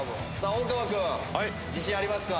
大川君自信ありますか？